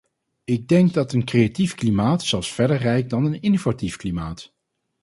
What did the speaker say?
Ik denk dat een creatief klimaat zelfs verder reikt dan een innovatief klimaat.